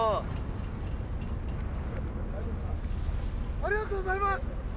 ありがとうございます。